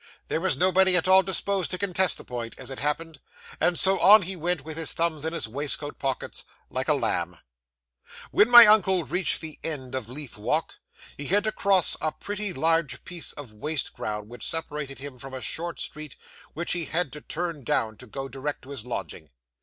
There was nobody at all disposed to contest the point, as it happened; and so, on he went, with his thumbs in his waistcoat pockets, like a lamb. 'When my uncle reached the end of Leith Walk, he had to cross a pretty large piece of waste ground which separated him from a short street which he had to turn down to go direct to his lodging.